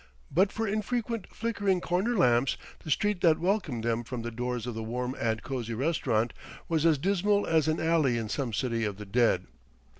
But for infrequent, flickering, corner lamps, the street that welcomed them from the doors of the warm and cosy restaurant was as dismal as an alley in some city of the dead.